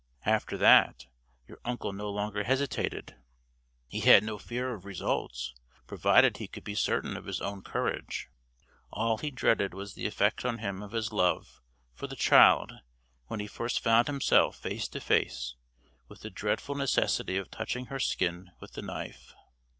After that, your uncle no longer hesitated. He had no fear of results, provided he could be certain of his own courage. All he dreaded was the effect on him of his love for the child when he first found himself face to face with the dreadful necessity of touching her skin with the knife."